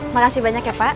makasih banyak ya pak